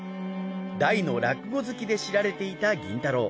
大の落語好きで知られていた銀太郎。